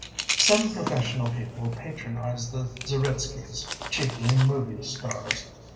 Some professional people patronized the Zeritskys, chiefly movie stars.